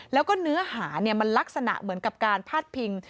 แล้วก็เนื้อหามันลักษณะเหมือนกับการพาดพิง